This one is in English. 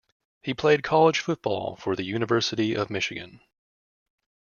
He played college football for the University of Michigan.